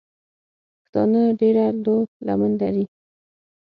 پښتانه ډېره لو لمن لري.